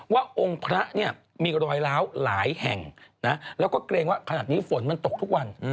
องค์พระเนี่ยมีรอยล้าวหลายแห่งนะแล้วก็เกรงว่าขนาดนี้ฝนมันตกทุกวัน